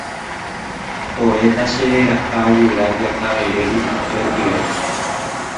tove tachereraha guyra Jakavere Ypykue ndive.